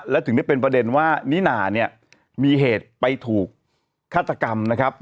และถึงได้เป็นประเด็นว่านิน่าเนี่ยมีเหตุไปถูกฆาตกรรมนะครับ